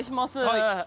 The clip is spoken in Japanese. はい。